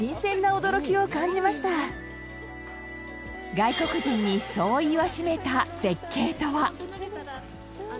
外国人にそう言わしめた絶景とは？